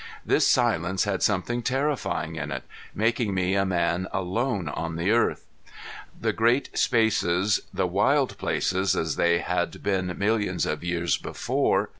This silence had something terrifying in it, making me a man alone on the earth. The great spaces, the wild places as they had been millions of years before!